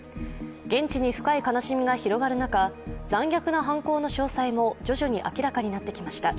現地に深い悲しみが広がる中残虐な犯行の詳細も徐々に明らかになってきました。